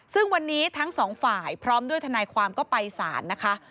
ซึ่งวันนี้ทั้งสองฝ่ายพร้อมด้วยทนายความก็ไปสารนะคะ